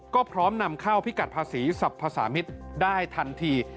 ก็พร้อมนำเข้าพิกัดภาษีสรรพสามิตรได้ทันที